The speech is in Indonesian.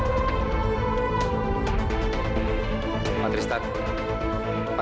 saya berharap bisa dapat kesempatan